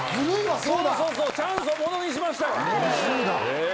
そうそうチャンスをものにしましたよ。